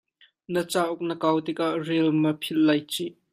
Na cauk na kau tikah rel ma philh lai cih.